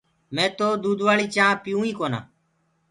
مي تو دودوآݪي چآنه پيئو ئي ڪونآ